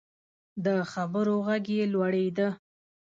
د خبرو غږ یې لوړیده.